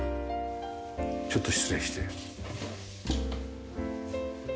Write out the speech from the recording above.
ちょっと失礼して。